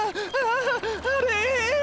あれ？